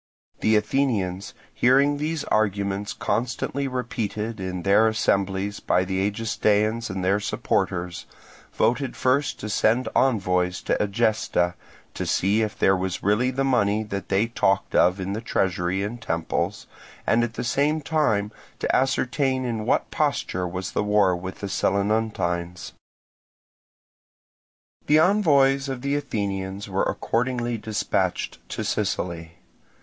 The Athenians, hearing these arguments constantly repeated in their assemblies by the Egestaeans and their supporters, voted first to send envoys to Egesta, to see if there was really the money that they talked of in the treasury and temples, and at the same time to ascertain in what posture was the war with the Selinuntines. The envoys of the Athenians were accordingly dispatched to Sicily.